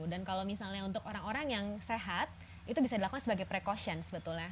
dan kalau misalnya untuk orang orang yang sehat itu bisa dilakukan sebagai precaution sebetulnya